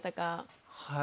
はい。